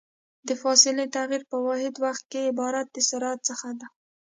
د فاصلې تغير په واحد وخت کې عبارت د سرعت څخه ده.